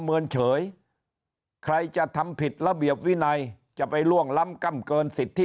เมินเฉยใครจะทำผิดระเบียบวินัยจะไปล่วงล้ำกล้ำเกินสิทธิ